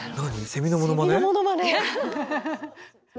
セミのものまね！